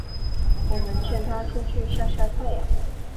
我们劝她出去晒晒太阳